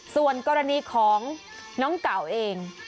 ส่วนกรณีของน้องเก่าเอง